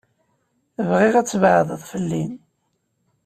Bɣiɣ ad tbeɛded fell-i.